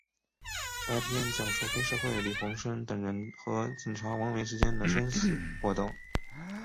该片讲述黑社会李鸿声等人和警察王维之间的生死搏斗。